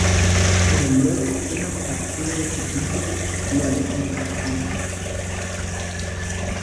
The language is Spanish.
Pero luego una fractura de clavícula lo alejó de las canchas.